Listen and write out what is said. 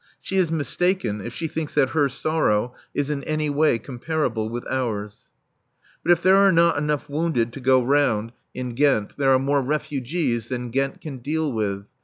She is mistaken if she thinks that her sorrow is in any way comparable with ours. But if there are not enough wounded to go round in Ghent, there are more refugees than Ghent can deal with.